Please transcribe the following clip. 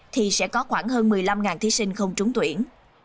thì sẽ có khoảng hơn một mươi năm thí sinh không trúng tuyển